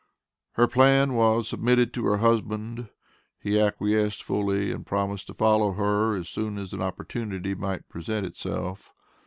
Her plan was submitted to her husband; he acquiesced fully and promised to follow her as soon as an opportunity might present itself.